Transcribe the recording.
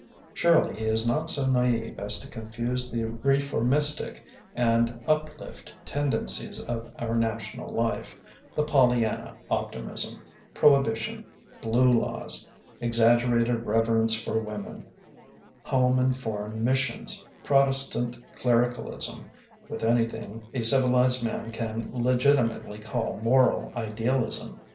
Surely he is not so naive as to confuse the reformistic and "up lift" tendencies of our national life — the PoUyanna optimism; prohibition; blue laws; exaggerated reverence for women; home and foreign missions; Protestant clericalism — with anything a civilized man can legitimately call moral idealism.